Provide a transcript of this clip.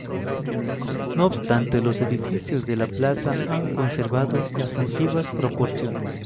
No obstante, los edificios de la plaza han conservado las antiguas proporciones.